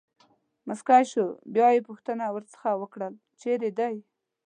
مسکی شو، بیا مې پوښتنه ورڅخه وکړل: چېرې دی.